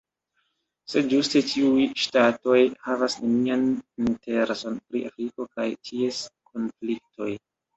Sed ĝuste tiuj ŝtatoj havas nenian intereson pri Afriko kaj ties konfliktoj.